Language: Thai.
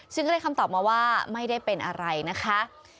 ซึ่งก็ได้คำตอบมาว่าไม่ได้เป็นอะไรนะคะ